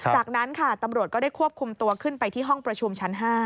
จากนั้นค่ะตำรวจก็ได้ควบคุมตัวขึ้นไปที่ห้องประชุมชั้น๕